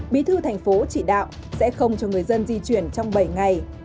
bí thư thành phố chỉ đạo sẽ không cho người dân di chuyển trong bảy ngày